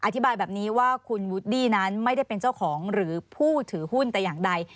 อธิบายแบบนี้ว่าคุณวูดดี้นั้นไม่ได้เป็นเจ้าของหรือผู้ถือหุ้นแต่อย่างใด